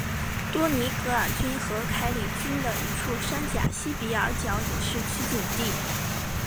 多尼戈尔郡和凯里郡的一处山岬西比尔角也是取景地。